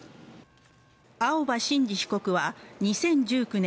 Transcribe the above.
青葉真司被告は２０１９年